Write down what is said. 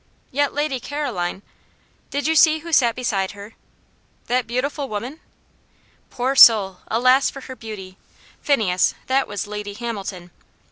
"Yet Lady Caroline " "Did you see who sat beside her?" "That beautiful woman?" "Poor soul! alas for her beauty! Phineas, that was Lady Hamilton."